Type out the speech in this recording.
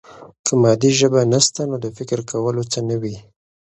که مادي ژبه نسته، نو د فکر کولو څه نه وي.